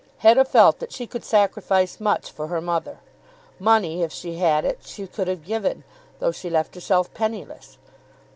Hetta felt that she could sacrifice much for her mother. Money, if she had it, she could have given, though she left herself penniless.